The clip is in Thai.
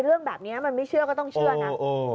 เรื่องแบบนี้มันไม่เชื่อก็ต้องเชื่อนะ